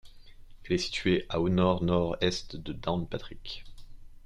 Elle est située à au nord-nord-est de Downpatrick.